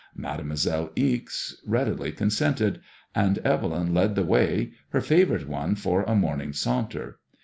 Made moiselle Ixe readily consented, and Evelyn led the way, her favourite one for a morning saunter.